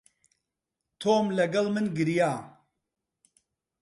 تۆم لەگەڵ من گریا.